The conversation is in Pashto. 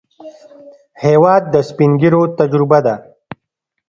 هېواد د سپینږیرو تجربه ده.